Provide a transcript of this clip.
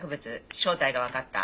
正体がわかった。